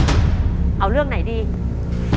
คุณยายแจ้วเลือกตอบจังหวัดนครราชสีมานะครับ